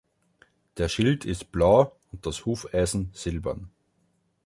Der Schild ist blau und das Hufeisen silbern.